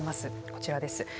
こちらです。